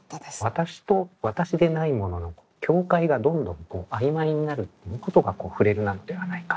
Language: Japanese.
私と私でないものの境界がどんどん曖昧になることがふれるなのではないか。